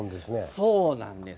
そうなんです。